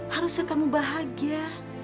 harusnya kamu bahagia